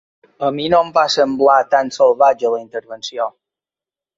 A mi no em va semblar tan salvatge la intervenció.